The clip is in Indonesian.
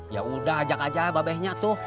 yaudah ajak aja babehnya tuh